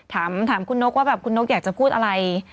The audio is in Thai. ถามคุณนกว่าแบบคุณนกอยากจะพูดอะไร